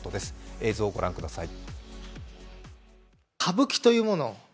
映像をご覧ください。